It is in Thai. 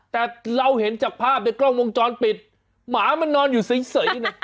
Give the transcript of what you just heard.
แต่เราเห็นจากภาพในกล้องวงจรปิดหมามันนอนอยู่เฉยนะ